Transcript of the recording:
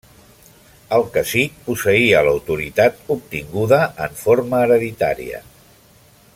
El cacic posseïa l'autoritat, obtinguda en forma hereditària.